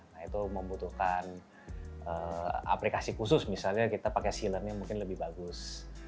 nah itu membutuhkan aplikasi khusus misalnya kita pakai sillernya mungkin lebih bagus